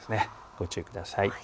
ご注意ください。